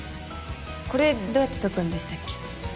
これどうやって解くんでしたっけ？